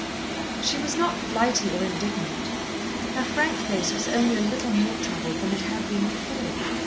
She was not flighty or indignant. Her frank face was only a little more troubled than it had been before.